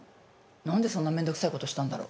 なんでそんな面倒くさい事したんだろ？